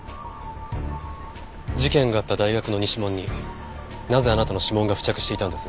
事件があった大学の西門になぜあなたの指紋が付着していたんです？